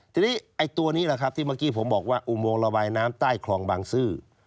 ทีนี้ไอ้ตัวนี้แหละครับที่เมื่อกี้ผมบอกว่าอุโมงระบายน้ำใต้คลองบางซื่อ